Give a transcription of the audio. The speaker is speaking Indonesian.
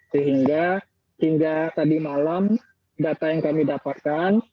sehingga hingga tadi malam data yang kami dapatkan